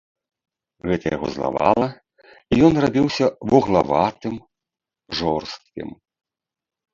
Гэта яго злавала, і ён рабіўся вуглаватым, жорсткім.